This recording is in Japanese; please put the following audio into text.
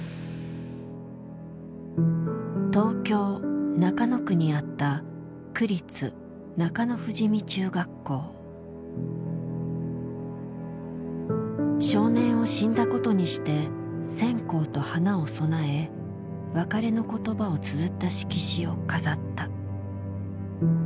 東京・中野区にあった少年を死んだことにして線香と花を供え別れの言葉をつづった色紙を飾った。